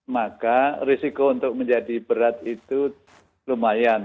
maka risiko untuk menjadi berat itu lumayan